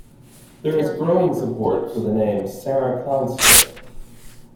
There is growing support for the name Sarah Constant.